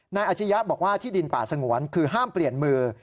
อาชียะบอกว่าที่ดินป่าสงวนคือห้ามเปลี่ยนมือ